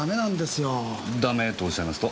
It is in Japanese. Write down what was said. ダメとおっしゃいますと？